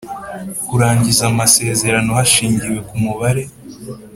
Kurangiza amasezerano hashingiwe ku mubare